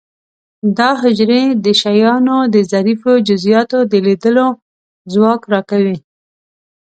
دا حجرې د شیانو د ظریفو جزئیاتو د لیدلو ځواک را کوي.